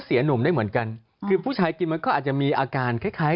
หนุ่มได้เหมือนกันคือผู้ชายกินมันก็อาจจะมีอาการคล้ายคล้าย